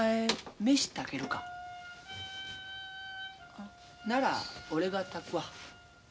あなら俺が炊くわ。